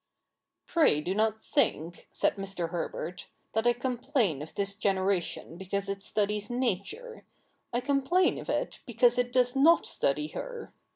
' Pray do not think,' said Mr. Herbert, ' that I com plain of this generation because it studies Nature. I complain of it because it does not study her.